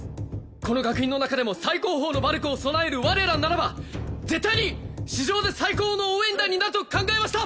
この学院の中でも最高峰のバルクを備える我らならば絶対に史上で最高の応援団になると考えました！